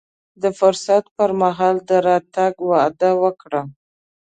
د فرصت پر مهال د راتګ وعده وکړه.